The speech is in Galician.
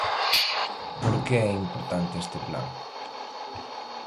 Por que é importante este plan?